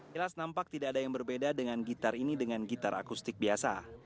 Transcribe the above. jelas nampak tidak ada yang berbeda dengan gitar ini dengan gitar akustik biasa